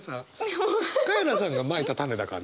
カエラさんがまいた種だからねこれ。